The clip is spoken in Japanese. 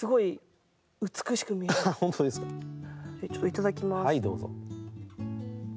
いただきます。